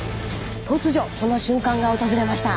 突如その瞬間が訪れました！